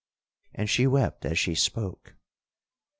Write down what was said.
And she wept as she spoke.